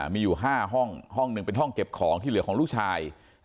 มีอยู่๕ห้องห้องหนึ่งเป็นห้องเก็บของที่เหลือของลูกชาย